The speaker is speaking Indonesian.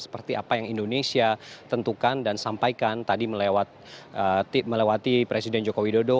seperti apa yang indonesia tentukan dan sampaikan tadi melewati presiden joko widodo